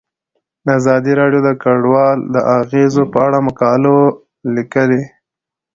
ازادي راډیو د کډوال د اغیزو په اړه مقالو لیکلي.